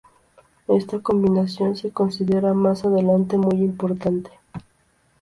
Esta combinación se considerará más adelante muy importante.